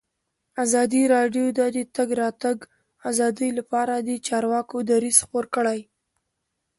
ازادي راډیو د د تګ راتګ ازادي لپاره د چارواکو دریځ خپور کړی.